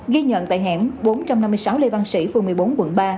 ghi nhận tại hẻm bốn trăm năm mươi sáu lê văn sĩ phường một mươi bốn quận ba